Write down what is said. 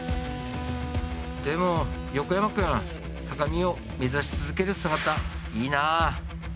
でも、横山君高みを目指し続ける姿、いいなあ。